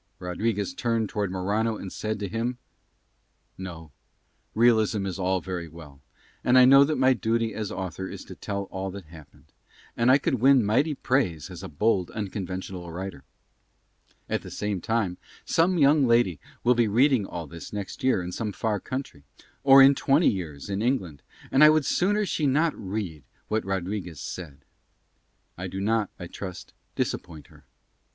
Rodriguez turned toward Morano and said to him ... No, realism is all very well, and I know that my duty as author is to tell all that happened, and I could win mighty praise as a bold, unconventional writer; at the same time, some young lady will be reading all this next year in some far country, or in twenty years in England, and I would sooner she should not read what Rodriguez said. I do not, I trust, disappoint her.